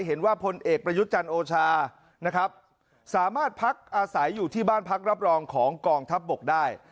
เห็นว่าพลเอกประยุทธ์จันทร์โอชานะครับสามารถพักอาศัยอยู่ที่บ้านพักรับรองของกองทัพบกได้